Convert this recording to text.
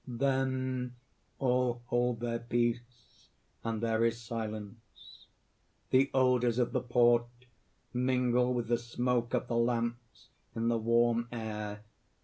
(Then all hold their peace, and there is silence. _The odors of the port mingle with the smoke of the lamps in the warm air.